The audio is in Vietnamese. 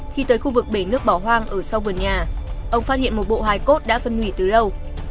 khi tới khu vực bể nước bỏ hoang ở sau vườn nhà ông phát hiện một bộ hải cốt đã phân nguy từ lâu